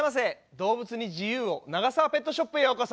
動物に自由を永沢ペットショップへようこそ。